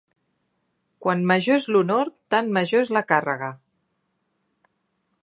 Quant major és l'honor, tant major és la càrrega.